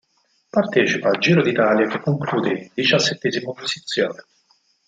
Partecipa al Giro d'Italia che conclude in diciassettesima posizione.